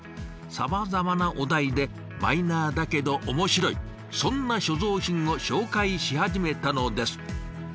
さまざまなお題でマイナーだけど面白いそんな所蔵品を紹介し始めたのです。